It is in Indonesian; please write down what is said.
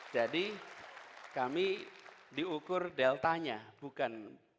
jadi kami diukur deltanya bukan